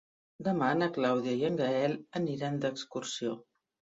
Demà na Clàudia i en Gaël aniran d'excursió.